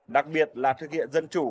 đặc biệt là thực hiện dân chủ